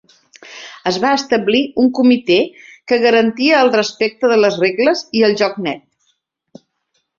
Es va establir un comitè que garantia el respecte de les regles i el joc net.